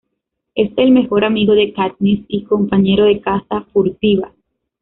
Es el mejor amigo de Katniss y compañero de caza furtiva.